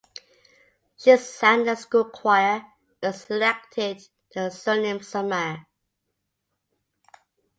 She sang in the school choir and selected the surname Zamir.